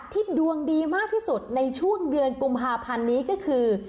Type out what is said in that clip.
ดวงดีมากที่สุดในช่วงเดือนกุมภาพันธ์นี้ก็คือ